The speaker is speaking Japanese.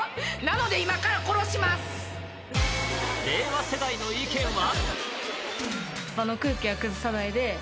令和世代の意見は？